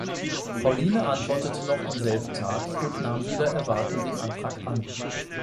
Pauline antwortete noch am selben Tag und nahm wider Erwarten den Antrag an.